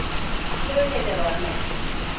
Böyle devam et.